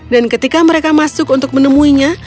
dan ketika mereka masuk untuk menemuinya